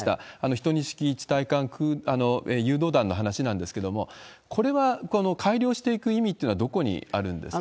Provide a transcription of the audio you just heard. １２式地対艦誘導弾の話なんですけれども、これは改良していく意味ってのは、どこにあるんですか？